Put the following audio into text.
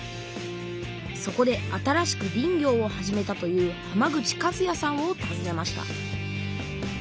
そこで新しく林業を始めたという浜口和也さんをたずねました